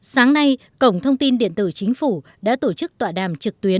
sáng nay cổng thông tin điện tử chính phủ đã tổ chức tọa đàm trực tuyến